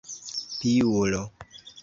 Piulo!